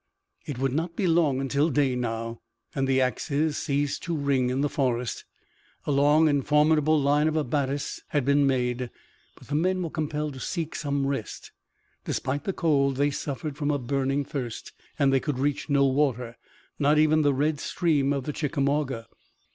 It would not be long until day now, and the axes ceased to ring in the forest. A long and formidable line of abattis had been made, but the men were compelled to seek some rest. Despite the cold they suffered from a burning thirst, and they could reach no water, not even the red stream of the Chickamauga.